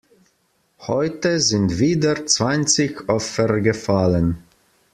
Heute sind wieder zwanzig Opfer gefallen.